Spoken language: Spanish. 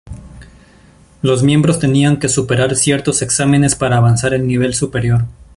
Los miembros tenían que superar ciertos exámenes para avanzar al nivel superior.